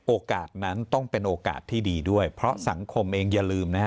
โอกาสนั้นต้องเป็นโอกาสที่ดีด้วยเพราะสังคมเองอย่าลืมนะฮะ